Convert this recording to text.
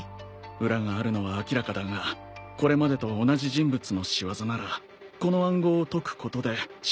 裏があるのは明らかだがこれまでと同じ人物の仕業ならこの暗号を解くことで真実に近づくはずだ。